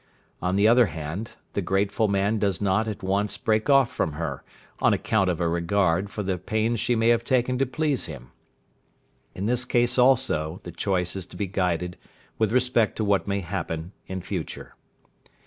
On the other hand the grateful man does not at once break off from her, on account of a regard for the pains she may have taken to please him. In this case also the choice is to be guided with respect to what may happen in future.